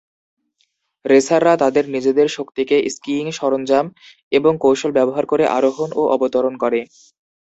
রেসাররা তাদের নিজেদের শক্তিতে স্কিইং সরঞ্জাম এবং কৌশল ব্যবহার করে আরোহণ ও অবতরণ করে।